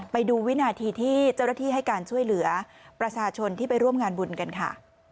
ไปดูวินาทีที่เจ้าหน้าที่ให้การช่วยเหลือประชาชนที่ไปร่วมงานบุญกันค่ะ